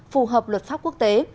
phù hợp luật pháp quốc tế